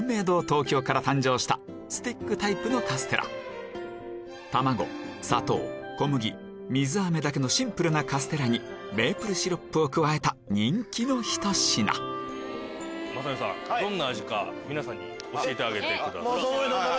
東京から誕生したスティックタイプのカステラ卵砂糖小麦水あめだけのシンプルなカステラにメープルシロップを加えた人気のひと品雅紀さん食べるの？